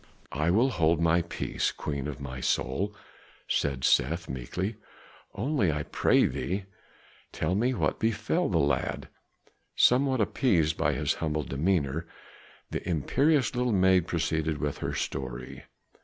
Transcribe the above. "I will hold my peace, queen of my soul," said Seth meekly; "only, I pray thee, tell me what befell the lad." Somewhat appeased by his humble demeanor, the imperious little maid proceeded with her story.